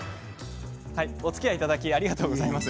おつきあいいただきありがとうございました。